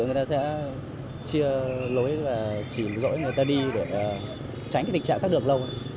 người ta sẽ chia lối và chỉ dỗi người ta đi để tránh tình trạng tắt đường lâu